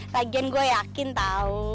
lagian gue yakin tau